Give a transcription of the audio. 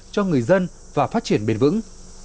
cho người dân và phát triển bền vững